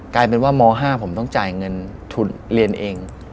กลายเป็นว่าม๕ผมต้องจ่ายเงินทุนเรียนเอง